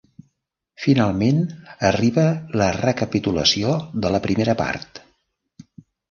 Finalment arriba la recapitulació de la primera part.